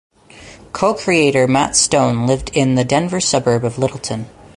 Co-creator Matt Stone lived in the Denver suburb of Littleton.